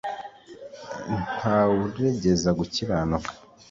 Nta wuregeza gukiranuka